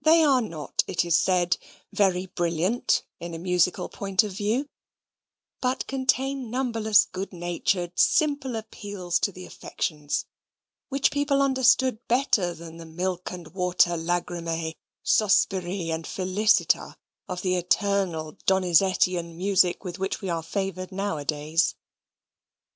They are not, it is said, very brilliant, in a musical point of view, but contain numberless good natured, simple appeals to the affections, which people understood better than the milk and water lagrime, sospiri, and felicita of the eternal Donizettian music with which we are favoured now a days.